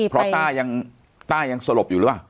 เพราะต้ายังสลบอยู่หรือเปล่า